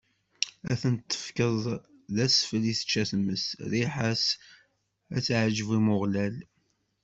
Ad ten-tefkeḍ d asfel i tečča tmes, rriḥa-s ad teɛǧeb i Umeɣlal.